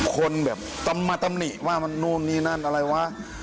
คนมีมาตัมหนิว่านี่นั่นอะไรว่า